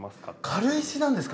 軽石なんですか？